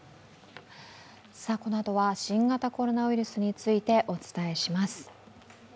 このあとは新型コロナウイルスについてお伝えします。